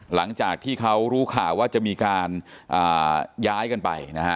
หลังจากที่เขารู้ข่าวว่าจะมีการย้ายกันไปนะฮะ